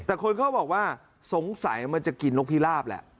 แต่คนเขาบอกว่าสงสัยมันจะกินนกพิราบแหละ